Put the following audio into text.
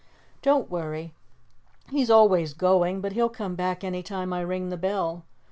"Don't worry! He's always going, but he'll come back any time I ring the bell.